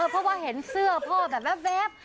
เพราะว่าเห็นเสื้อพ่อแบบแว๊บ